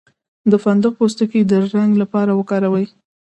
د فندق پوستکی د رنګ لپاره وکاروئ